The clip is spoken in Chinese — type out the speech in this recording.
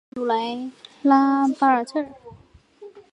特鲁莱拉巴尔特。